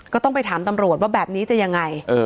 ก็ต้องไปถามตำรวจว่าแบบนี้จะยังไง